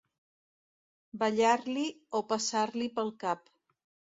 Ballar-li o passar-li pel cap.